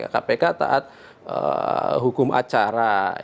kpk taat hukum acara